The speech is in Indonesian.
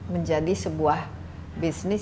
menjadi sebuah bisnis